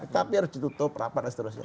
tapi harus ditutup rapat dan seterusnya